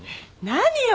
何よ！？